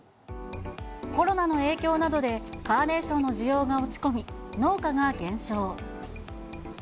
コロナの影響などで、カーネーションの需要が落ち込み、農家が減少。